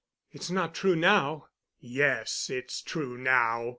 "It's not true now." "Yes, it's true now.